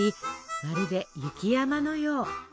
まるで雪山のよう。